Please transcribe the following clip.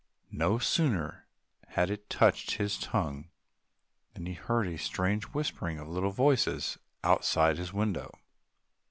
No sooner had it touched his tongue than he heard a strange whispering of little voices outside his window.